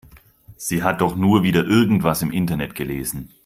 Sie hat doch nur wieder irgendwas im Internet gelesen.